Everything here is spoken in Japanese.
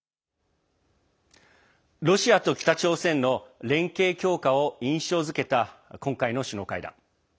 ロシアと北朝鮮の連携強化を印象づけた、今回の首脳会談。